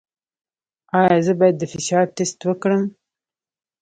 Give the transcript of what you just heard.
ایا زه باید د فشار ټسټ وکړم؟